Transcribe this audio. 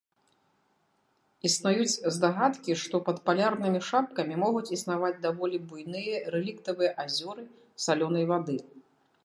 Існуюць здагадкі, што пад палярнымі шапкамі могуць існаваць даволі буйныя рэліктавыя азёры салёнай вады.